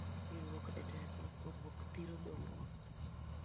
Riwruok e teko, pogruok thiro dongruok